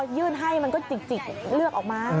ยื่นให้มันก็จิกเลือกออกมา